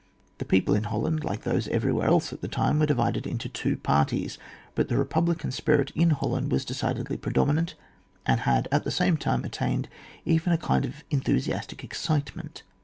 The people in Holland, like those everywhere else at that time, were divided into two par ties, but the republican spirit in Holland was decidedly predominant, and had at the same time attained even to a kind of enthusiastic excitement.